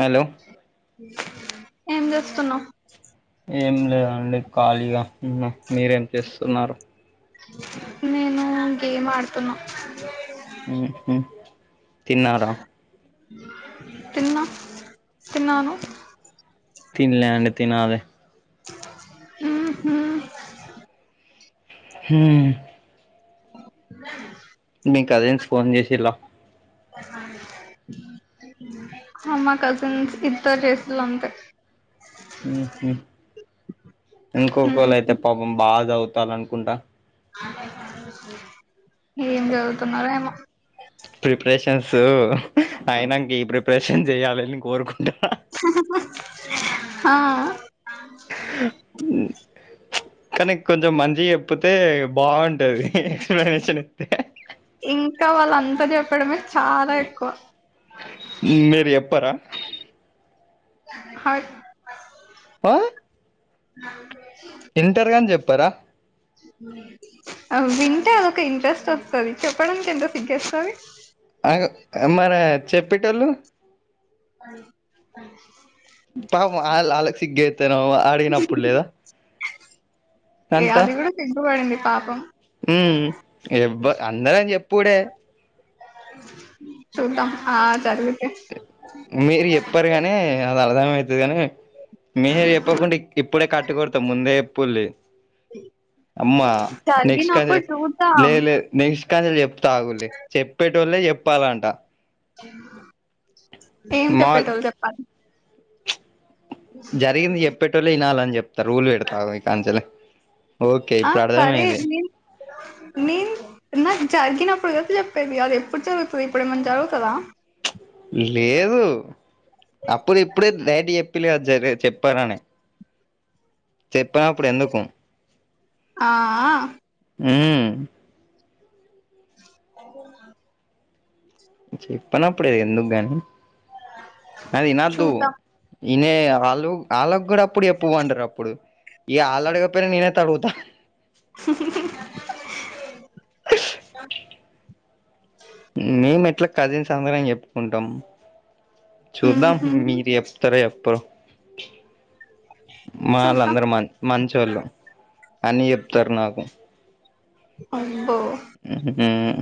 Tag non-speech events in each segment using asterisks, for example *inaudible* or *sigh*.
Hello ఏం చేస్తున్నావ్ ఏం లేదండి ఖాళీయ నువ్వు మీరేం చేస్తున్నారు మేము గేమ్ ఆడుతున్నా హ్మ్ హు తిన్నారా తిన్నా తిన్నావ నువ్ తినలే అండి తినాలి హ్మ్ హు హ్మ్ మీ కజిన్స్ ఫోన్ చేసిలా అా హ మా కజిన్స్ ఇద్దరు చేసిలు అంతే హ్మ్ హు ఇంకొకళ ఉమ్ అయితే పాపం బా చదువుతారు అనుకుంటా ఏం చదువుతున్నారో ఏమో ప్రిపరేషన్స్ ఆయనాంక ఈ ప్రిపరేషన్ చెయాలని కోరుకుంటా ఆ కానీ కొంచెం మంచిగ చెప్ చెప్పితే బాగుంటది మనిషిని అయితే ఇంకా వాళ్ళ అంతా చెప్పడమే చాలా ఎక్కువ మీరు చెప్పారా హయ్ ఆ అ *inaudible* ఇంటర్ గాని చెప్పారా వింటే అదొక ఇంట్రెస్ట్ వస్తాది చెప్పడానికి ఎంత సిగ్ వేస్తాది అలాగే మరి చెప్పేటొల్లు అది అది పాప వాళ్ళ వాళ్ళకి సిగ్గు అయితే అడిగినప్పుడు లేదా ఏ అది కూడా పె పాపం మ్మ్ ఎవ్వ అందరని చెప్పుడే చూద్దం ఆ *unintelligible* మీరు చెప్పారు కానీ అది అర్థం అయితాది కానీ ముందే చెప్పకుంటే ఇప్పుడే కాపీకొడుతాం ముందే చెప్పుల్లి అమ్మా నెక్స్ట్ కదే జరిగినప్పుడు చూద్దాం లేద్ లే నెక్స్ట్ కాలు చెప్త అగుల్లి చెప్పేటొళ్లేే చెప్పాలంట ఏం మాల్ చెప్పేటోళ్ళు చెప్పాలి జరిగింది చెప్పేటొళ్ళె వినాలని చెప్తారు రూల్ పెడతా ఈ కాంచల్ ఆ సరే ఆండీ నిన్ నాకు జరిగినప్పుడు కద చెప్పేది అది ఎప్పుడు జరుగుతాది ఇప్పుడు ఏమన్నా జరుగుతదా లేదు అప్పుడు ఇప్పుడే బయటికీ చెప్ ఇలా జారిగే చెప్తారనే చెప్పనప్పుడు ఎందుకు అ ఆ మ్మ్ అయిపొయిన *inaudible* చెప్పానప్పుడు ఎందుకుగాని అ వినాద్దు చూద్దాం వినే వాళ్ళు వాళ్ళకు కూడా అప్పుడు చప్పుమండారు అప్పుడు ఇగ ఆళ్ళు అడగకపోయినా నినేట్ట అడుగుతా ఆ మేము ఎట్లా కజిన్స్ అందరం చెప్పుకుంటాం చూద్దాం ఉహు మీరు చెప్తారొ చెప్పారొ చూద్దాం మానళ్ళందరు మ మంచొళ్ళు అన్ని చెప్తారు నాకు అవున మ్మ్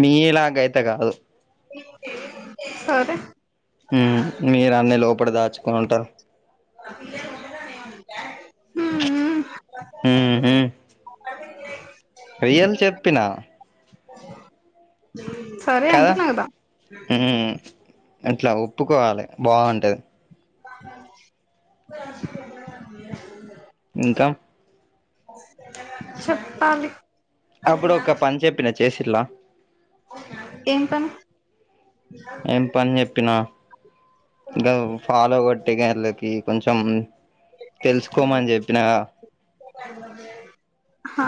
మీలాగ అయితే కాదు సరే మీరు అన్నీ లోపట దాచుకుని ఉంటారు హ్మ్ మ్మ్ ఉహు రియల్ చెప్పిన సరే అంటున్నా కదా అట్లా ఒప్పుకోవాలి బాగుంటది *inaudible* ఇంకా చెప్పాలి అప్పుడు ఒక పని చెప్పిన చేసిల్ల ఏం పని ఏం పని చెప్పినా గవ్ ఫాలోగో టి గర్ల్ కి కొంచెం తెలుసుకోమని చెప్పినా ఆ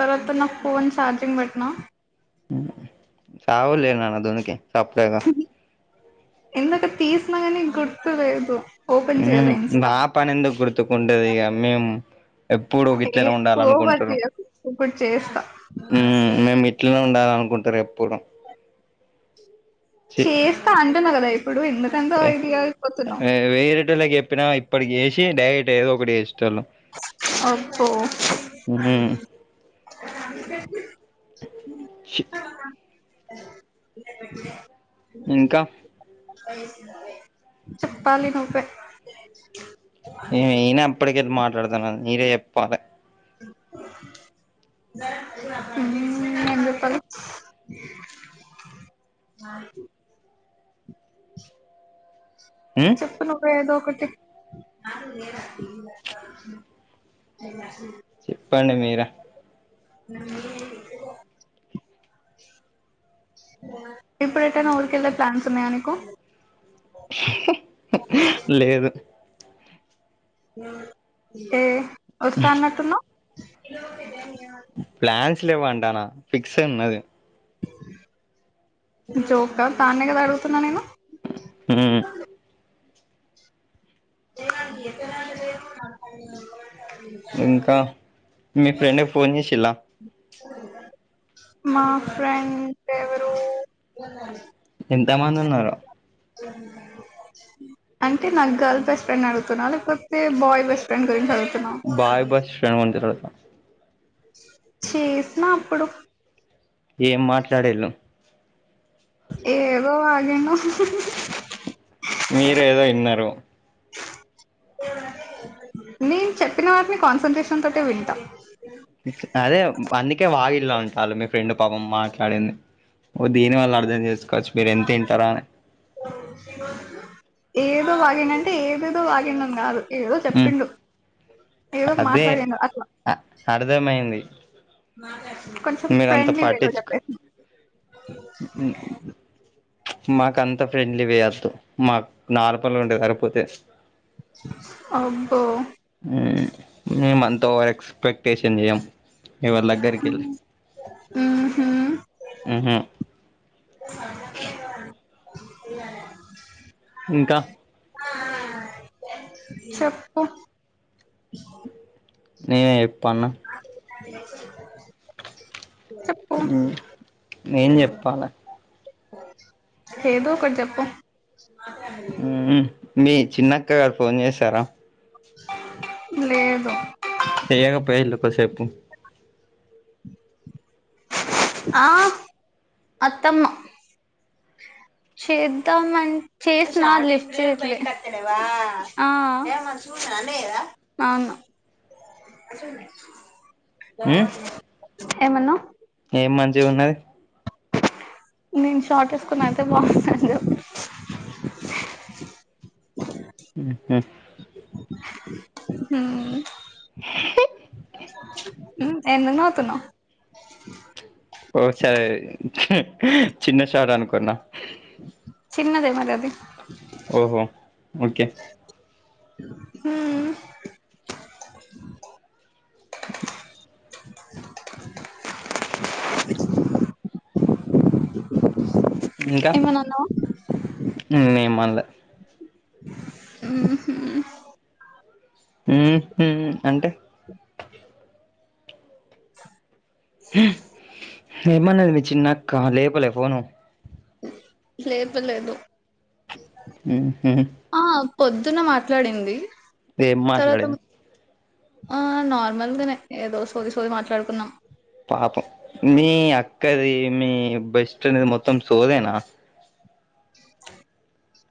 తర్వాత నా ఫోన్ చార్జింగ్ భెట్నా ఉ చవలే నాన్న దోనికి తప్పేగా ఎందకు తీసిన గానీ గుర్తులేదు ఉ నా పనేందుకు గుర్తుకుంటది ఇగ మేమ్ ఎప్పుడు ఏ గిట్లనే ఓవర్ ఉండాలనుకుంటారు చేయకు ఇప్పుడు చేస్తా మేము ఇట్లనే ఉండాలనుకుంటారు ఎప్పుడు చి చేస్తా అంటున్నా కదా ఇప్పుడు ఎందుకంత వె ఇది అయిపోతున్నావు వేరిటోళ్ళకి చొప్పిన ఇప్పటికేసి డైరెక్ట్ ఏదో ఒకటి చేస్ అబ్బో *inaudible* *inaudible* *inaudible* ఇంకా చెప్పాలి నువ్వే నినే అప్పటికేని మాట్లాడతాన్నాను మీరే చొప్పాలి. ఉ ఎమ్ చెప్పాలి *inaudible* చెప్ను నువ్వే ఏదో ఒకటి ప్పండి మీరె నా మీ *unintelligible* ఇప్పుడు ఎటనా ఉరికెళ్లే ప్లాన్స్ ఉన్నయ నీకు లేదు ఏ ఒస్తా అనటున్నావ్ ప్లాట్స్ లేవంటనా ఫిక్స్ ఉన్నది జోకా దాన్నే కదా అడుగుతున్నా నేను ఊ గానికి *unintelligible* ఇంకా మీ ఫ్రెండ్ కు ఫోన్ చేసిలా మా ఫ్రెండ్ దేవరు ఎంత మంది ఉన్నరో అంటే నాకు గర్ల్ బెస్ట్ ఫ్రెండ్ అడుగుతున్నా లేకపోతే బాయ్ బెస్ట్ ఫ్రెండ్ గురించి అడుగు బాయ్ బష్ట్ర ముందు రోజు చేసిన అప్పుడు ఏం మాట్లాడిళ్ళు ఏమో అదేనో మీరు ఏదో విన్నారు నేను చెప్పిన వాటిని కాన్సంట్రేషన్ తోటె వింటా అదే అందుకే వాగిలు ఇలా ఉంటాలు మీ ఫ్రెండ్ పాపం మాట్లాడింది దీని వళ్ళ అర్థం చేస్ కచ్ మీర్ ఇంతింత లోనే ఏదో వాగిండంటే ఏదేదో వాగిండని కాదు ఏదో ఉమ్ చెప్పిండు ఏదో అదే మాట్లాడిండు అట్లా అర్థమైంది కొంచెం మీరంత ఫ్రెండ్లీ వేలో పట్టించుకు చెప్పేసి మాక అంత ఫ్రెండ్లీ వేయద్దు మాకు నార్మల్గా ఉంటే సరిపోతది అబ్బో ఊ మే మంత్ ఓవర్ ఎక్స్పెక్టేషన్ చేయం ఇవర్ లగ్గరికెళ్ళి ఊహు ఊహు ఇంకా చెప్పు నేనే ఎప్పన్న *unintelligible* ఊ ఏం చెప్పాలే ఏదో ఒకటి చెప్పు ఊ ఉ మీ చిన్నక్క ఫోన్ చేసారా లేదు చేయక పోయిలు కొసేపు ఆ అత్తమ్మ చేద్దామన్ చేసిన లిఫ్ చేయట్లే ఆ అవును ఏమన్నావ్. ఏం మంచిగున్నది నేను షార్టేసుకొనెల్తే బావుంటాను ఊహు ఉ ఉ ఎందుకు నవ్వుతున్నావ్ ఓ సరే చిన్న సార్ అనుకున్నా చిన్నదే మరి అది ఓహో ఓకే ఉ ఏమన్నా అన్నవా నేనేమ్ మన్ల ఉహు ఉ హు అంటే *inaudible* ఏమన్నాది మీ చిన్నక్క లేపలే ఫోను లేపలేదు ఉ హు పొద్దున మాట్లాడింది ఏం తర్వాత మాట్లాడింది ఆ నార్మల్గానే ఏదో సోది సోది మాట్లాడుకున్నాం పాపం మీ అక్కది మీ బెస్ట్ ఫ్రెండ్ది మొత్తం సోదేనా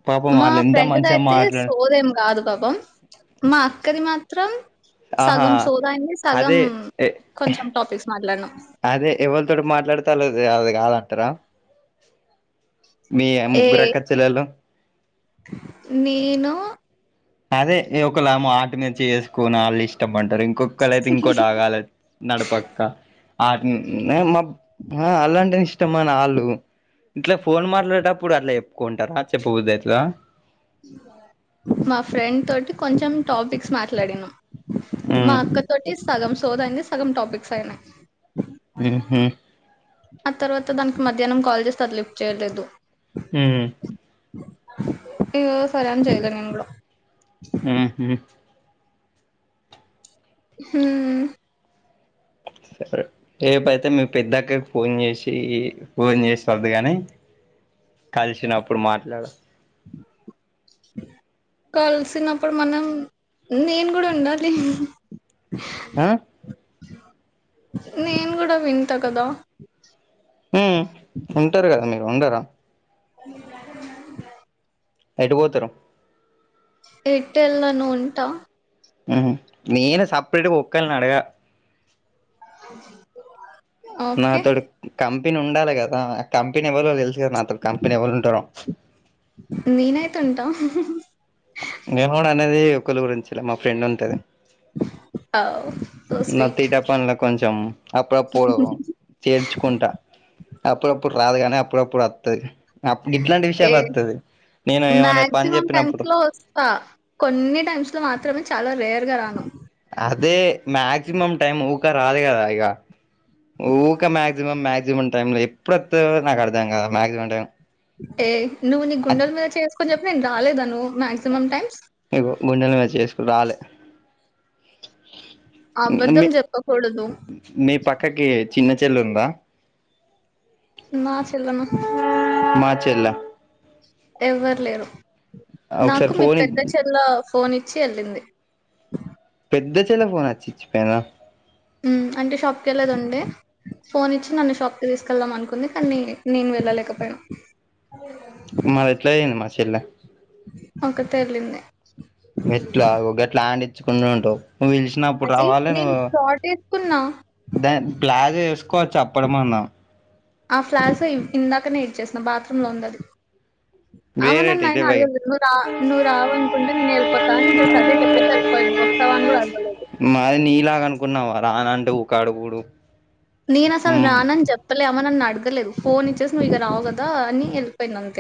పాపం మా వాళ్ళు ఎంత ఫ్రెండ్ మంచిగా దైతే మాట్లా సోదెంగాదు బాబ్ బా మా అక్కది మాత్రం ఆహా సగం సోదైన్ది సగం అదే కొంచెం టాపిక్స్ మాట్లాడినమ్ అదే ఎవరితోటి మాట్లాడితలేదు అవి కాదంటారా మీ ఏ ముగ్గురు అక్కచెల్లేలు నేను అదే నీ ఒకలా మాట మీద చేసుకుని వాళ్ళు ఇష్టం అన్ మరి ఇంకొక్కలైతే అయితే ఇంకో లాగా ఆలోచిస్తారు నడపక్క. అ అలాంటే ఇష్టమాని అళ్ళు. ఇట్లా ఫోన్ మట్లేటప్పుడు అట్లా చెప్పుకోంటారా చెప్పబుద్ది అయితదా. మా ఫ్రెండ్ తోటి కొంచెం టాపిక్స్ మాట్లాడినమ్ మా ఉమ్ అక్క తోటి సగం సోదైన్ది సగం టాపిక్స్ అయినాయి ఉహు ఆ తర్వాత దానికి మధ్యాహ్నం కాల్ చేస్తే అది లిఫ్ట్ చెయ్యట్లేదు ఉహు *unintelligible* ఆహా ఉ సరే రేపైతే మీ పెద్దక్కకి ఫోన్ చేసి ఫోన్ చేసి వద్దు గాని కలిసినప్పుడు మాట్లాడ డీస్ కలిసినప్పుడు మనం నేను కూడా ఉండాలి ఆ నేను కూడా వింటా కదా ఉ ఉంటారు కదా మీరు ఉండరా *inaudible* ఎటు పోతరు ఎటు ఎల్లను ఉంటా ఉమ్ నేను సపరేట్గ ఒక్కల్ని నడగ స్ ల్ నాతోడు కంపెనీ ఉండాలి కదా ఆ కంపెనీ ఎవ్వరు తెలుసు కదా నాతో కంపెనీ ఎవరు ఉంటారో నేనైతే ఉంటా హు హు. నేను కూడా అనేది ఒకళ గురించి లే అవు నా తీట పనుల కొంచెం అప్పుడప్పుడు చేర్చుకుంటా అప్పుడప్పుడు రాదు కాని అప్పుడప్పుడు వత్తది ఇట్లాంటి ఏ విషయాలు వత్తది నేను ఏమైనా పని మాక్సిమం టెన్స్ చెప్పినప్పుడు లో వస్తా కొన్ని టెన్స్ లో మాత్రమే చాలా రేర్గా రాను అదే మాక్సిమం టైం ఊకా రాదు కదా ఇక ఊకా మాక్సిమం మాక్సిమం టైమ్ ఎప్పుడు వస్తాదో నాకు అర్థం కాదు మక్సిమం టై ఏ నువ్వు నీ గుండెలు మీద చెయ్యవేసుకుని చెప్పు నేను రాలేదా నువ్వు మాక్సిమం టైమ్స్ ఇగో గుండెల మీద చేసుకున్న రాలే అబద్ధం మీ చెప్పకూడదు మీ పక్కకి చిన్న చెల్లు ఉందా నా చెల్లి నా మా చెల్ల ఎవ్వరు లేరు నాకు ఒకసారి మీ ఫోన్ పెద్ద చెల్ల ఫోన్ ఇచ్చి వెళ్ళింది పెద్ద చెల్ల ఫోన్ వచ్చి ఇచ్చి పోయిన అంటే షాప్కి వెళ్ళేది ఉండే ఫోన్ ఇచ్చి నన్ను షాప్కి తీసుకెళ్దాం అనుకుంది కానీ నేను వెళ్ళలేకపోయిన మరి ఎట్లా మా చెల్లా ఒక్కతే ఎల్లింది ఎట్లా ఒక గట్లా ఆడించుకుంట ఉంటావు నువ్వు పిలిచినప్పుడు అది రావాలి నేను నువ్వు షార్ట్ ఏసుకున్నా. దా ప్లాజోసు చెప్పడంమన్నా ఆ ఫ్లాట్స్ ఇందాకనే ఇచ్చేసిన బాత్రూమ్ లో ఉందది వేరేటి ఇదే అవునన్నయన అడిగింది నువ్వు నువ్వు రావు అనుకుంటే నేను వెళ్ళపోతా జస్ట్ అదే చెప్పేసి వెళ్ళిపోయింది వస్తావని కూడా అడగలేదు అది నీలాగ అనుకున్నావా రాను అంటే ఉకే అడుగుడు నేను అసలు రానని చెప్పలేఆమె నన్ను అడగలేదు ఫోన్ ఇచ్చేసి నువ్వు ఇక రావు కదా అని వెళ్ళిపోయింది అంతే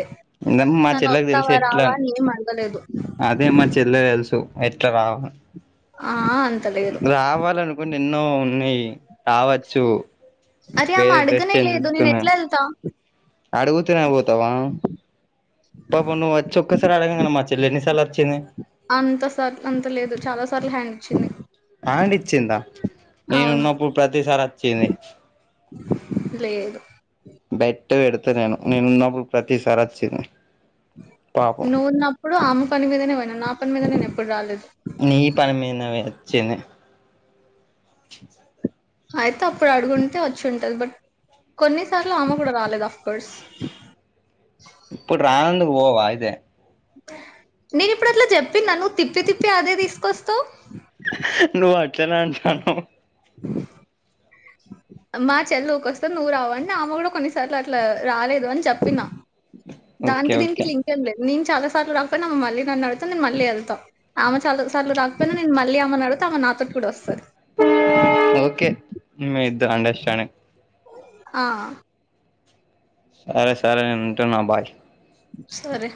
ఇ మా చెల్లకి తెలుసు ఎట్లా అని ఏం అడగలేదు. అదే మా చెల్లె తెలుసు ఎట్ల రావ ఆ ఆ రావాలనుకుంటే ఎన్నో ఉన్నాయి రావచ్చు అరే వేరే డ్రెస్ ఆమడగనే లేదు నేనెట్లేళ్తా? అడుగు తిన పోతావా పాప నువ్వు వచ్చి ఒక్కసారి అడగా మ చెలనిసల్చ్చనే అంత సార్ అంత లేదు చాలా సార్లు హ్యాండ్ ఇచ్చింది. ఆం ఇచ్చిందా నేను అవును. ఉన్నప్పుడు ప్రతిసారి వచ్చింది లేదు బట్ట పెడతా నేను నేను ఉన్నప్పుడు ప్రతిసారి వచ్చింది పాపం నువ్వున్నప్పుడు ఆమె పని మీదనే పోయినా, నా పని మీద నేనెప్పుడు రాలేదు. నీ పనిమంద వచ్చను అయితే అప్పుడడుగుంటే వచ్చుంటది బట్ కొన్నిసార్లు ఆమె గూడా రాలేదు అఫ్ కోర్స్. ఇప్పుడు రాందుకు పోవా ఇదే నేనిప్పుడు అట్లా చెప్పిన నువ్వు తిప్పి తిప్పి అదే తీసుకొస్తావ్. నువ్వు అట్లేనే అంటాను మా చెల్లూకొస్తే నువ్వు రావ అంటే ఆమ కూడా కొన్నిసార్లు అట్లా రాలేదు అని చెప్పిన. ఓకే దానికి దీనికి ఓకే లింకేం లే నీ చాలా సార్లు రాకపోయినామ్మ మళ్ళీ నాన్నుడుతతే నేను మళ్ళీ వెళ్తా. ఆమె చాలా సార్లు రాకపోయి నే మళ్ళీ ఆమె నడు తమ నా తోటి కూడా వస్తది. ఓకే ఇద అంట ఇష్టను ఆ సరే సరే అంట నా బాయ్ సరే